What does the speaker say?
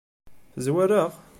Tezwar-aɣ?